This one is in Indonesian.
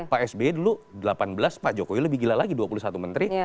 pak sby dulu delapan belas pak jokowi lebih gila lagi dua puluh satu menteri